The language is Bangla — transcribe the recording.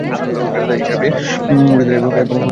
তার ইশারা পেয়ে উট উঠে দাঁড়ায় এবং চলতে শুরু করে।